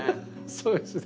そうですね。